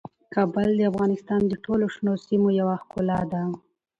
کابل د افغانستان د ټولو شنو سیمو یوه ښکلا ده.